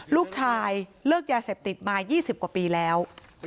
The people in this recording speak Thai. ลูกชายเลิกยาเสพติดมา๒๐กว่าปีแล้ว